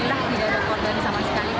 cuman memang seperti apa ya